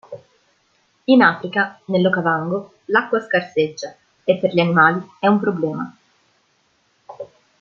In Africa, nell'Okavango, l'acqua scarseggia e per gli animali è un problema.